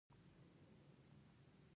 زموږ د هېواد شمالي او لوېدیځې سیمې ونیولې.